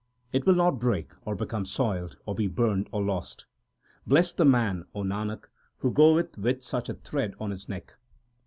It will not break, or become soiled, or be burned, or lost. Blest the man, O Nanak, who goeth with such a thread on his neck.